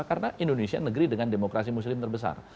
karena indonesia negeri dengan demokrasi muslim terbesar